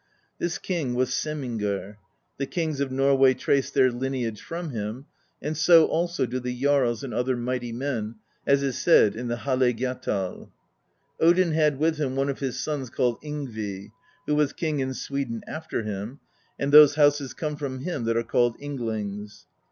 This king was Saemingr; the kings of Norway trace their lineage from him, and so do also the jarls and the other mighty men, as is said in the Haleygjatal, Odin had with him one of his sons called Yngvi, who was king in Sweden after him; and those houses come from him that are named Ynglings.